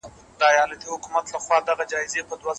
حکومت باید د غریبانو او محتاجانو لاسنیوی وکړي.